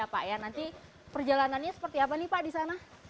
perjalanan seperti apa pak di sana